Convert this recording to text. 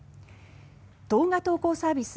動画投稿サービス